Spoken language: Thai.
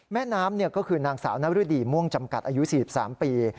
แม่น้ำก็คือนางสาวนรดีม่วงจำกัดอายุ๔๓ปี